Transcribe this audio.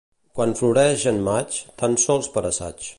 Quan floreix en maig, tan sols per assaig.